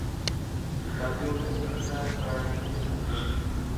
El campeón se clasifica para la Liga de Campeones.